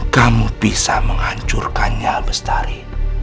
kamu bisa menghancurkannya bestari